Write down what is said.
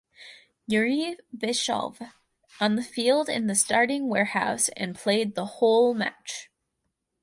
Yuriy viyshov on the field in the starting warehouse and played the whole match.